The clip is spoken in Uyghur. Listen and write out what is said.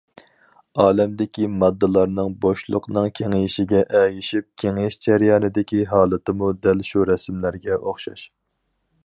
ئالەمدىكى ماددىلارنىڭ بوشلۇقنىڭ كېڭىيىشىگە ئەگىشىپ كېڭىيىش جەريانىدىكى ھالىتىمۇ دەل شۇ رەسىملەرگە ئوخشاش.